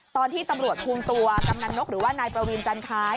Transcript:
ตอนที่ตำรวจคุมตัวกำนันนกหรือว่านายประวีนจันคล้าย